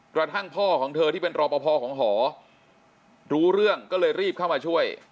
กระทั่งพ่อของเธอที่เป็นรอปภของหอรู้เรื่องก็เลยรีบเข้ามาช่วย